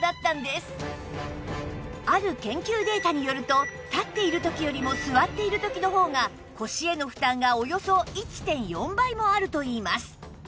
ある研究データによると立っている時よりも座っている時の方が腰への負担がおよそ １．４ 倍もあるといいます